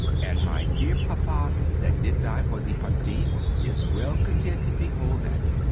And my dear Papa, that did die for the Patrie, is well content to behold that.